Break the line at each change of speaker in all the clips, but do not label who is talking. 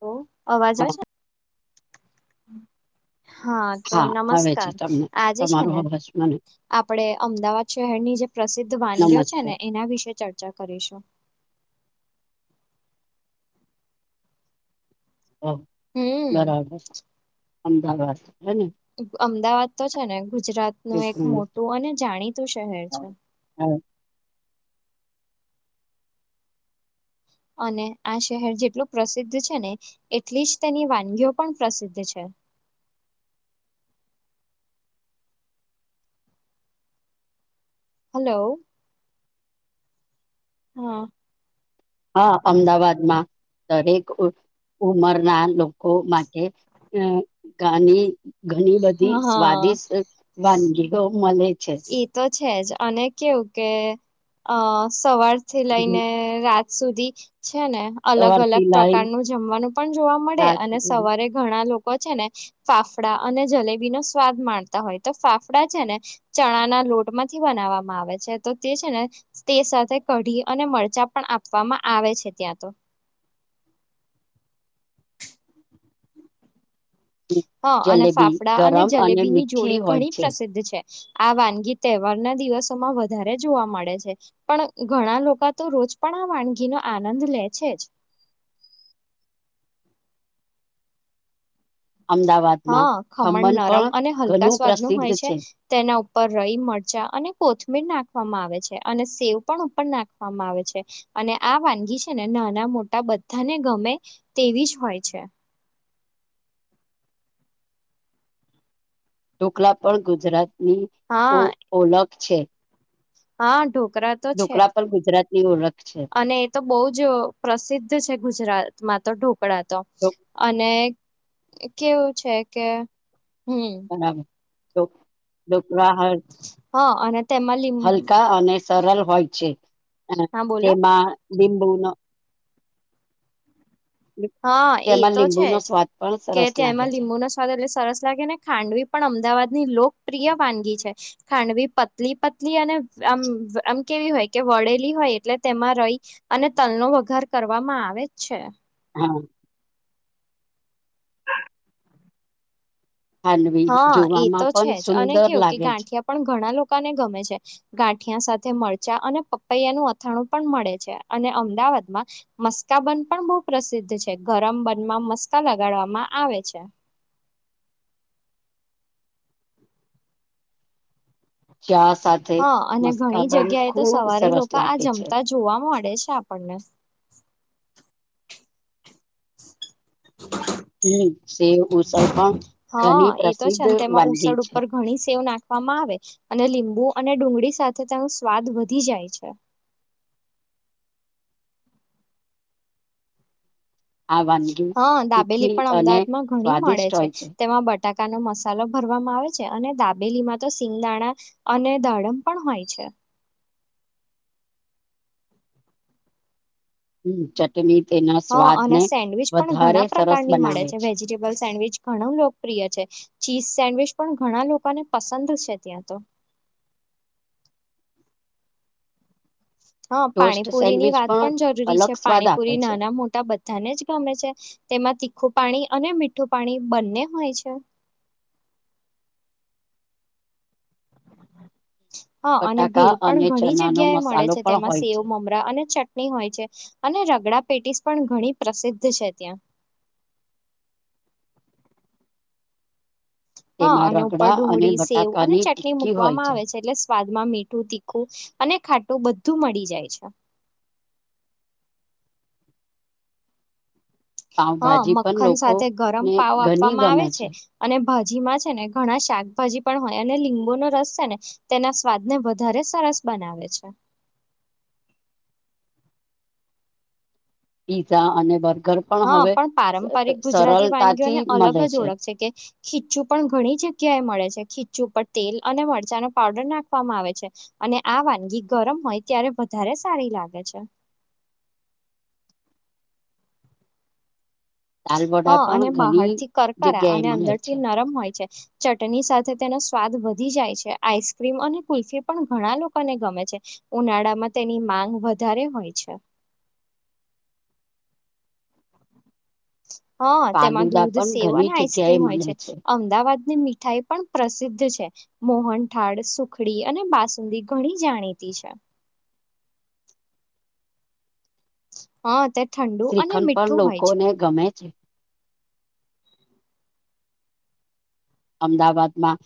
હ, અવાજ
હા
આવશે હા, તો
આવે છે
નમસ્કાર
તમને
આજે
તમારો
છેને.
અવાજ મને
આપણે અમદાવાદ શહેરની જે પ્રસિદ્ધ વાનગીઓ છે
નમસ્કાર
ને એના વિશે ચર્ચા કરીશું
ઓ
હમ
બરાબર અમદાવાદ હે ને
અમદાવાદ તો છે ને ગુજરાતનું એક મોટું અને જાણીતું શહેર છે
હા
અને આ શહેર જેટલું પ્રસિદ્ધ છે ને એટલી જ તેની વાનગીઓ પણ પ્રસિદ્ધ છે હલો હા
હા અમદાવાદમાં દરેક ઉમર ના લોકો માટે ઘણી ઘણી બધી
હા હા
સ્વાદિષ્ટ વાનગીઓ મળે છે
એ તો છે જ અને કેવું કે અ સવાર થી લઈને રાત સુધી છે ને અલગ અલગ
સવારથી લાઈન
પ્રકાર નું જમવાનું પણ જોવા મળે
રાત
અને
સુધી.
સવારે ઘણા લોકો છે ને ફાફડા અને જલેબી નો સ્વાદ માણતા હોય તો ફાફડા છે ને ચણા ના લોટ માંથી બનાવવામાં આવે છે તો તે છે ને તે સાથે કઢી અને મરચાં પણ આપવામાં આવે છે ત્યાં તો હા અને
જલેબી
ફાફડા અને
ગરમ
જલેબી ની
મીઠી
જોડી
હોય
ઘણી
છે
પ્રસિદ્ધ છે આ વાનગી તહેવાર ના દિવસોમાં વધારે જોવા મળે છે પણ ઘણા લોકો તો રોજ પણ આ વાનગીનો આનંદ લે છે જ
અમદાવાદમાં
હા ખમણ
પણ
નરમ અને હલકા
ઘણું
સ્વાદ નું
પ્રસિદ્ધ
હોય છે તેના ઉપર ઉપર રઈ મરચા અને કોથમીર નાખવામાં આવે છે અને સેવ પણ ઉપર નાખવામાં આવે છે અને આ વાનગી છે ને નાના મોટા બધાને ગમે તેવી જ હોય છે
ઢોકલા પણ ગુજરાતની
હા
ઓલખ છે
હા ડો
ઢોકળા પણ ગુજરાતી
અને એ તો બો જ પ્રસિદ્ધ છે ગુજરાતમાં તો ઢોકળા તો અને કેવું છે કે હમ
બરાબર [inaudible] હર
હા અને તેમાં લીંબ
હલકા અને સરલ હોય છે
હા બોલો
તેમાં લિંબુ નો
હા એ
તેમાં
તો છે
લીંબુનો
જ
સ્વાદ પણ
કે
સરસ લાગે
તેમાં
છે
લીંબુનો સ્વાદ એટલે સરસ લાગે ને ખાંડવી પણ અમદાવાદની લોક પ્રિય વાનગી છે ખાંડવી પતલી પતલી અને આમ આમ કેવી હોય કે વળેલી હોય હોય એટલે તેમાં રઈ અને તલનો વઘાર કરવામાં આવે જ છે
હા ખાનવી
હા એ તો
જોવામાં પણ
છે જ અને
સુંદર
કેવું કે
લાગે છે
ગાંઠિયા પણ ઘણા લો કા ને ગમે છે ગાંઠિયા સાથે મરચા અને પપૈયા નું અથાણું પણ મળે છે અને અમદા વાદમાં મસ્કા બંન પણ બો પ્રસિદ્ધ છે ગરમ બંન માં મસ્કા લગાડવામાં આવે છે [inaudible]
ચા સાથે
હા અને ઘણી
મસ્કાબન
જગ્યાએ તો
ખુબ
સવારે
સરસ
લોકા આ
લાગે છે
જમતા જોવા મળે છે આપણને [inaudible]
હમ સેવ ઉસળ પણ
[inaudible] હા
ઘણી
એ તો છે
પ્રસિદ્ધ
ને તેમાં
વાનગી
ઉસડ
છે
ઉપર ઘણી સેવ નાખવામાં આવે અને લીંબુ અને ડુંગળી સાથે તેનો સ્વાદ વધી જાય છે
આ વાનગી
હા દાબેલી
તીખી
પણ
અને
અમદાવાદમાં ઘણી મળે
સ્વાદિષ્ટ
છે
હોય
તેમાં બ બટાકાનો મસાલો ભરવામાં આવે છે અને દાબેલીમાં તો સિંગદાણા અને દાડમ પણ હોય છે [inaudible]
હમ ચટની
હા અને સેન્ડવીચ પણ ઘણા
સરસ
પ્રકારની મળે
બનાવે
છે વેજીટેબલ સેન્ડવીચ ઘણું લોકપ્રિય છે ચીઝ સેન્ડવીચ પણ ઘણા લોકોને પસંદ છે. ત્યાં તો હા,
ટોસ્ટ
પાણીપુરી ની
સેન્ડવીચ
વાત પણ જરૂરી છે.
અલગ સ્વાદ આપે
પાણીપુરી
છે
નાના મોટા બ બધાને જ ગમે છે. તેમા તીખું પાણી અને મીઠું પાણી બંને હોય છે [inaudible] હ, અને
બટાકા
ભેલ પણ
અને
ઘણી
ચનાનો
જગ્યા એ મળે
મસાલો
છે.
પણ
તેમા
હોય
સેવ
છે
મમરા અને ચટ ની હોય છે, અને રગડા પેટીસ પણ ઘણી પ્રસિદ્ધ છે. ત્યાં [inaudible] હ,
તેમાં
અને ઉપર
રગડા અને
ડુગળી સેવ અને
બટાકાની
ચટની
ટિક્કી હોય
મૂકવામાં આવે છે, એટલે સ સ્વાદમાં મીઠુ તીખુ, અને ખાટુ બધું મળી જાય છે હ,
પાઉભાજી પણ
મખન
લોકો
સાથે ગરમ
ને
પાવ
ઘણી
આપવામાં આવે
ગમે
છે. અને ભાજી મા છેને, ઘણા શાકભાજી પણ હોય અને લીંબુ નો રસ છેને, તેના સ્વાદ ને વધારે સર સ બનાવે છે
પીઝા અને બર્ગર
હ,
હવે
પણ પારંપરિક ગુજરાતી
સરળતાથી
વાનગીઓને અલગ
મળે
જ ઓળખ છે. કે ખિ ચુ પણ ઘણી જગ્યાએ, મળે છે. ખિ ચુ પર તેલ અને મરચાં નો પાવડર નાખવામાં આવે છે, અને આ વાનગી ગરમ હોય. ત્યારે વધારે સારી લાગે છે હ,
દાલવડા પણ
અને બહાર
ઘણી
થી કરકરા
જગ્યાએ
અને
મળે
અંદર
છે
થી નરમ હોય છે ચટની સાથે તેનો સ્વાદ વધી જાય છે, આઈસ્ક્રીમ અને કુલ્ફી પણ ઘણા લોકોને ગમે છે, ઉનાળામાં તેની માંગ વધારે હોય છે હ, તેમાં
ફાલુદા
દૂધ
પણ
સેવ
ઘણી
અને
જગ્યાએ
આઈસ્ક્રીમ હોય છે.
મળે
અમદાવાદ ની મી થાઈ પણ પ્રસિદ્ધ છે, મોહનઠાળ સુખડી અને બાસુંદી ઘણી જાણીતી છે હ, તે ઠંડુ અને
શ્રીખંડ પણ
મીઠું હોય છે
લોકોને ગમે છે અમદાવાદ માં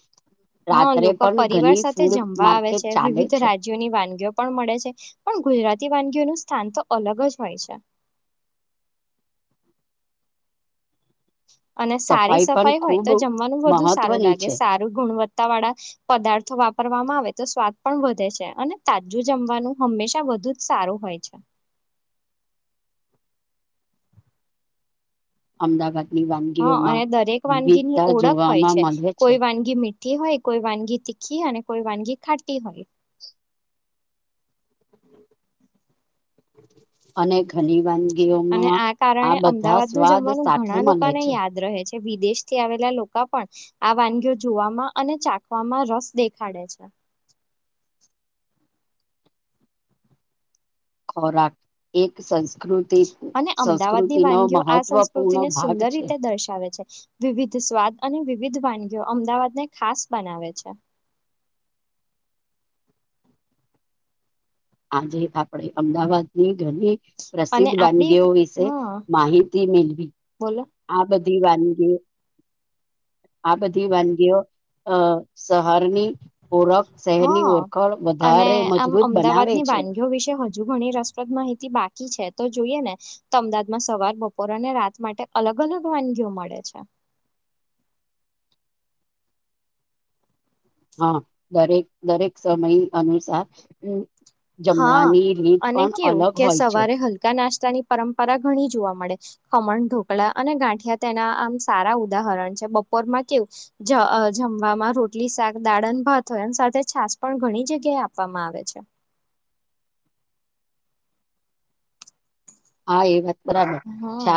હ, લોકો પરિવાર સાથે જમવા આવે
માર્કેટ
છે.
ચાલે
વિવિધ
છે
રાજ્યોની વાનગીઓ પણ મળે છે, પણ ગુજરાતી વાનગીઓનું સ્થાન તો અલગ જ હોય, છે [inaudible] અને સારી
પણ
સફાઈ હોય,
ખૂબ
તો જમવાનું વધુ સારુ
મહત્વની
લાગે
છે
સારુ ગુણવ તા વાળા પદાર્થો વાપરવામાં આવે તો સ્વાદ પણ વધે છે, અને તાજું જમવાનું હંમેશા બધુ જ સારુ, હોય છે.
અમદાવાદની
હા, અને
વાનગીઓમાં
દરેક વાનગી ની
વિવિધતા
ઓળખ હોય
જોવામાં
છે,
મળે છે
કોઈ વાનગી મી ઠી હોય, કોઈ વાનગી તીખી અને કોઈ વાનગી ખાટી હોય.
અને ઘણી
[unintelligible] અને
વાનગીઓમાં
આ કારણે,
બધા
અમદાવાદનુ
સ્વાદ
જમવાનુ
સાથે
ઘણા
મળે
લોકોને
છે
યાદ રહે છે. કે વિદેશથી આવેલા લોકો, પણ આ વાનગીઓ જોવામાં અને ચાખવામાં રસ દેખાડે છે.
ખોરાક, એક સંસ્કૃતિ
અને અમદાવાદની
સંસ્કૃતિનો
વાનગીઓ આ સસ્કૃતિને
મહત્વપૂર્ણ ભાગ
સુંદર
છે
રીતે દર્શાવે છે. વિવિધ સ્વાદ અને વિવિધ વાનગીઓ, અમદાવાદ ને ખાસ બનાવે છે.
આજે, આપડે અમદાવાદ ની ઘણી
અને
પ્રસિદ્ધ
આપડી
વાનગીઓ વિશે
હા
માહિતી, મેળવી
બોલો
આ બધી વાનગીઓ, આ બધી વાનગીઓ અ શહરની ઓળખ શહેરની
હા
ઓળખણ
અને
વધારે
આમ
મજબૂત બનાવે
અમદાવાદની
છે.
વાનગીઓ વિશે હજુ, ઘણી રસપ્રદ માહિતી બાકી છે. તો જોઈએ ને તો અમદાવાદમાં સવાર બપોર અને રાત માટે અલગ ઘણ, વાનગીઓ મળે છે.
હા, દરેક, દરેક સમય અનુસાર
હા
જમવાની રીત
અને
પણ
કેવુ
અલગ
કે
હોય છે
સવારે હલકા, નાસ્તાની પરપરા ઘણી જોવા મળે. ખમણ ઢોકળા, અને ગાંઠિયા તેના આમ સારા ઉદાહરણ છે, બપોરમાં કેવું જ જમવામા રોટલી, શાક, દાળન, ભાત હોય એમ સાથે છાસ, પણ ઘણી જગ્યાએ આપવામાં આવે છે.
હા, એ વાત બરાબર ચ
હા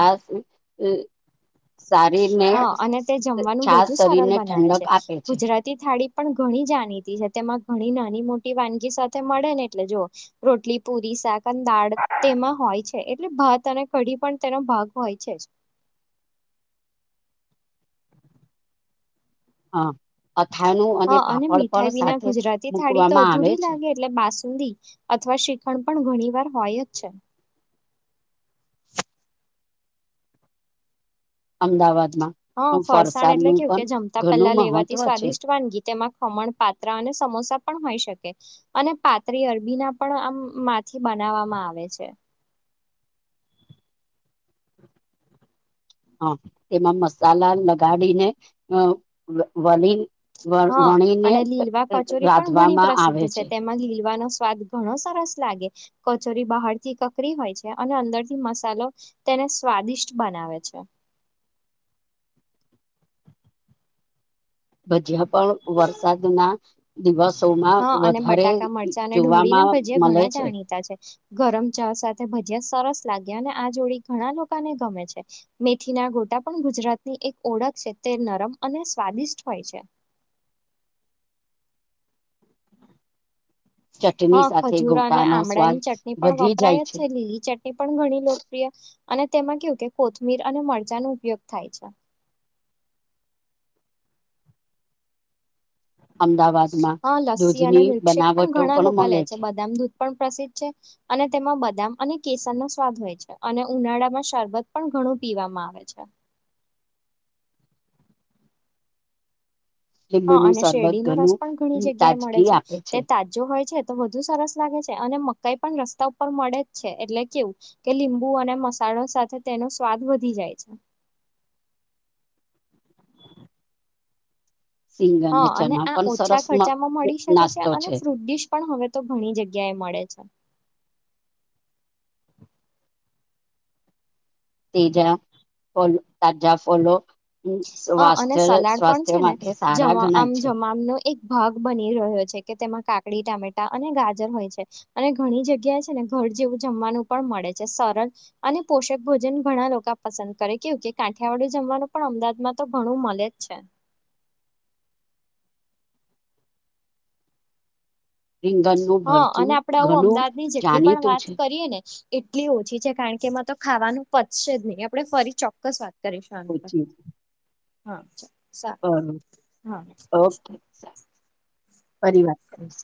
હા, અને તે જમવાનું
છાસ
વધુ સરળ
શરીરને
બનાવે
ઠંડક
છે.
આપે છે
ગુજરાતી થાળી પણ ઘણી જાણીતી છે. તેમા ઘણી નાની મોટી વાનગી, સાથે મળે ને એટલે જોઓ રોટલી, પુરી, શાક પણ દાળ તેમા હોય, છે. એટલે, ભાત અને કડી પણ તેનો ભાગ હોય છે. જ
હા, અથાણું અને
હા
પાપડ
મીઠાઈ
પણ
વિના
સાથે
ગુજરાતી થાળી તો
મૂકવામા આવે
અધૂરી
છે.
લાગે એટલે અથવા શીખણ પણ ઘણી વાર હોય જ છે.
અમદાવાદ
હા, ફરસાણ એટલે કેવુ કે જમતા
ઘણું
પહેલા લેવાથી.
મહત્વ છે
સ્વાદિષ્ટ વાનગી તેમા ખમણ પાત્રા અને સમોસા પણ હોય, શકે અને પાત્રી અરબીના પણ આમ માંથી બનાવામાં આવે છે.
હા, તેમા મસાલા લગાડીને અ વલી વ
હા,
વણીને
અને લીલવા કચોરી પણ ઘણી
રાંધવામાં
પ્રસિદ્ધ
આવે
છે. તેમા લીલવાનો સ્વાદ ઘણો સરસ લાગે કચોરી બહારથી કકરી હોય, છે. અને અંદરથી મસાલો તેને સ્વાદિષ્ટ બનાવે છે.
હજ્યા પણ વરસાદ ના દિવસો
હા, અને બટાકા મરચા અને ડુંગળીના
જોવામાં
ભજીયા
મળે
ઘણા
છે
જાણીતા છે. ગરમ ચા સાથે, ભજી સરસ લાગ્યા અને આ જોડી ઘણા લોકોને ગમે છે. મેથીના ગોટા પણ ગુજરાતની એક ઓળખ છે. તે, નરમ અને સ્વાદિષ્ટ હોય છે. [inaudible]
ચટણી
હા,
સાથે
ખજૂર અને
ગોટાનો
આંમળા
સ્વાદ
ની ચટણી પણ
વધી જાય
વપરાય જ છે. લીલી ચટણી પણ ઘણી લોકપ્રિય અને, તેમા કવુ કે કોથમીર અને મરચાનો ઉપયોગ થાય છે.
અમદાવાદમાં
હા, લસ્સી અને
દૂધની
મિલ્કશેેક પણ
બનાવટો
ઘણા લોકો લે
મળે
છે. બદામ દૂધ પ્રસિદ્ધ છે, અને તેમાં બદામ અને કેસર નો સ્વાદ હોય છે, અને ઉનાળામાં શરબત પણ ઘણું પીવામાં આવે છે. હા,
લીંબુનું
અને
સરબત
શેરડીનોો રસ
ઘણું
પણ ઘણી જગ્યાએ મળે
તાજગી
છે.
આપે
તે તાજો હોય છે. તો વધુ સરસ લાગે છે, અને મકાઈ પણ રસ્તા ઉપર મળે જ છે. એટલે કેવું કે લીંબુ અને મસા સાથે તેનો સ્વાદ વધી જાય છે. [unintelligible]
સિંગ
હા, અને
ચના
આ
પણ
ઓછા
સરસ
ખર્ચામાં મળી શકે છે. અને ફ્રૂટ ડીશ પણ હવે, તો ઘણી જગ્યાએ મળ મળે છે.
તજા, ફલ તાજા ફલો
હા અને
સ્સ્થ્ય
સલાડ પણ
સ્વાસ્થ્ય
છે ને
માટે સારા
જમા આમ
ગણાય છે.
જમામનો એક ભાગ બની રહ્યો છે, કે તેમાં કાકડી ટામેટા અને ગાજર હોય, છે. અને ઘણી જગ્યા છે ને ઘર જેવુ જમવાનું પણ મળે છે, સરળ અને પોષક ભોજન ઘણા લોકો પસંદ કરે કે કે કાઠિયાવાડુ જમવાનુ પણ અમદાદમાં તો ઘણું મળે જ છે.
રીંગણનું
હા,
ભરતું
અને આપડે આવું
ઘણું
અમદાવાદની જેટલી પણ
જાણીતું
વાત
છે
કરીએ ને એટલી ઓછી છે. કારણ કે એમાં તો ખાવાનું પચશે જ નહી, આપડે ફરી ચોક્કસ વાત પરેશાન કર હા.
હ,
સારું હા
ઓકે ફરી વાત કરીશ.